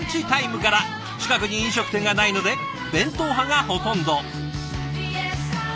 近くに飲食店がないので弁当派がほとんど。